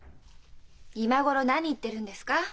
今頃何言ってるんですか？